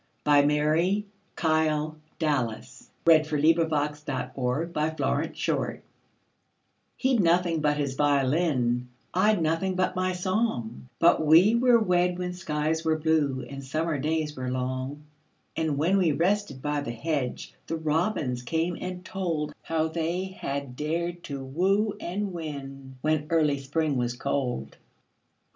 By Mary KyleDallas 1181 He 'd Nothing but His Violin HE 'D nothing but his violin,I 'd nothing but my song, But we were wed when skies were blueAnd summer days were long; And when we rested by the hedge, The robins came and toldHow they had dared to woo and win, When early Spring was cold.